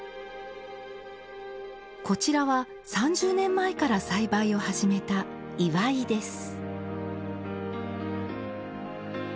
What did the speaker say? こちらは３０年前から栽培を始めた「祝」です